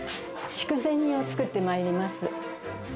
筑前煮を作ってまいります。